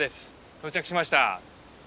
到着しました。